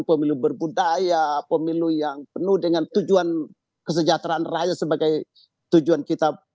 pemilu berbudaya pemilu yang penuh dengan tujuan kesejahteraan rakyat sebagai tujuan kita